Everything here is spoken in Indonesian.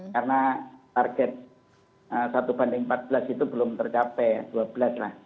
karena target satu banding empat belas itu belum tercapai dua belas lah